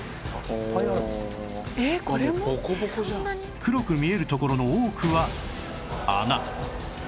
黒く見える所の多くは穴